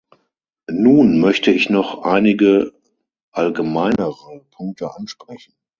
Nun möchte ich noch einige allgemeinere Punkte ansprechen.